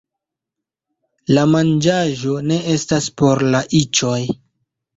La manĝaĵo ne estas por la iĉoj